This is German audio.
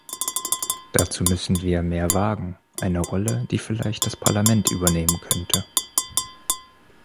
Dazu müssen wir mehr wagen, eine Rolle, die vielleicht das Parlament übernehmen könnte.